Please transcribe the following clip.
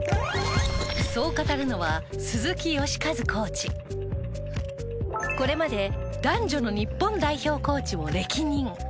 そう語るのはこれまで男女の日本代表コーチを歴任。